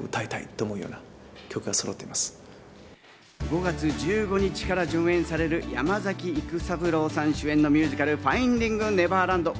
５月１５日から上演される、山崎育三郎さん主演のミュージカル、『ファインディング・ネバーランド』。